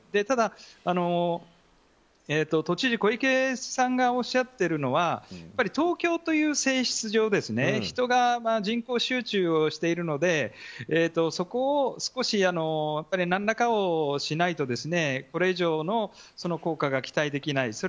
ただ、都知事の小池さんがおっしゃってるのは東京という性質上人が集中しているのでそこを少し何らかをしないとこれ以上の効果が期待できない。